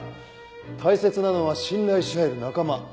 大切なのは信頼し合える仲間。